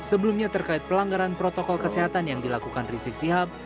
sebelumnya terkait pelanggaran protokol kesehatan yang dilakukan rizik sihab